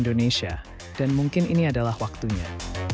dan mungkin ini adalah waktunya